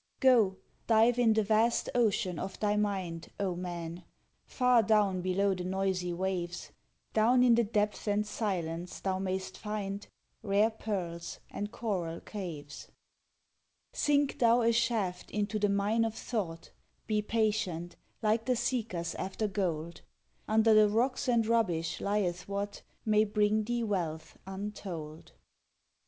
Go, dive in the vast ocean of thy mind, O man! far down below the noisy waves, Down in the depths and silence thou mayst find Rare pearls and coral caves. Sink thou a shaft into the mine of thought; Be patient, like the seekers after gold; Under the rocks and rubbish lieth what May bring thee wealth untold.